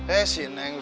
eh si neng